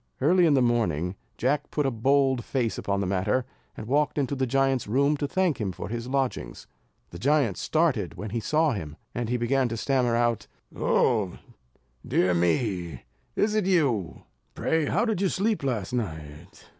Early in the morning, Jack put a bold face upon the matter, and walked into the giant's room to thank him for his lodgings. The giant started when he saw him, and he began to stammer out, "Oh, dear me! Is it you? Pray, how did you sleep last night?